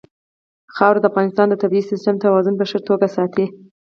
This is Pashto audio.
خاوره د افغانستان د طبعي سیسټم توازن په ښه توګه ساتي.